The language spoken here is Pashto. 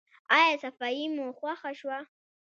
ایا صفايي مو خوښه شوه؟